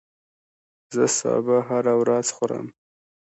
زه سابه هره ورځ خورم